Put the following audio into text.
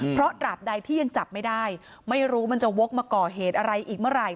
เพราะตราบใดที่ยังจับไม่ได้ไม่รู้มันจะวกมาก่อเหตุอะไรอีกเมื่อไหร่